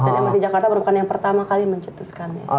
dan emas di jakarta bukan yang pertama kali mencetuskan ya